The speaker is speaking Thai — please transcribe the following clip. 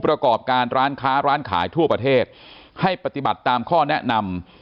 ประกอบการร้านค้าร้านขายทั่วประเทศให้ปฏิบัติตามข้อแนะนำ